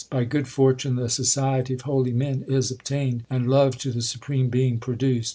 By good fortune the society of holy men is obtained, And love to the Supreme Being produced.